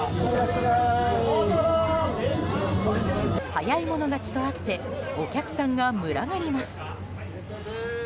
早い者勝ちとあってお客さんが群がります。